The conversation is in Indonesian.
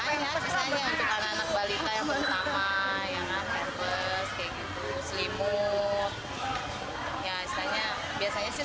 misalnya untuk anak anak balita yang pertama yang arges kayak gitu selimut